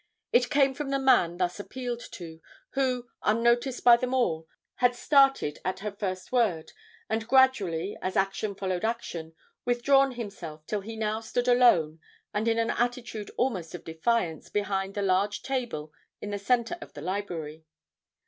It came from the man thus appealed to, who, unnoticed by them all, had started at her first word and gradually, as action followed action, withdrawn himself till he now stood alone and in an attitude almost of defiance behind the large table in the centre of the library.